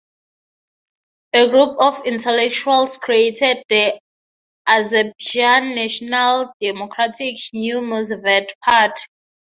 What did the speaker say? A group of intellectuals created the "Azerbaijan National Democratic New Musavat Party".